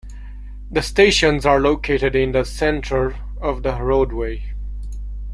The stations are located in the center of the roadway.